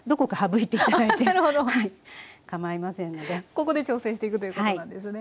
ここで調整していくということなんですね。